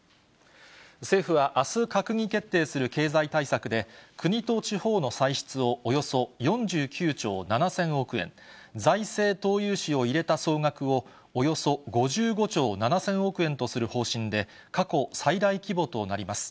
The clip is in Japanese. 政府はあす閣議決定する経済対策で、国と地方の歳出をおよそ４９兆７０００億円、財政投融資を入れた総額をおよそ５５兆７０００億円とする方針で、過去最大規模となります。